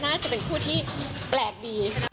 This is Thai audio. น่าจะเป็นคู่ที่แปลกดี